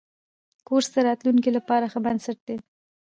کورس د راتلونکي لپاره ښه بنسټ دی.